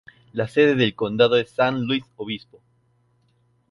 La sede del condado es San Luis Obispo.